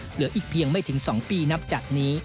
เหลืออีกเพียงไม่ถึง๒ปีนับจากนี้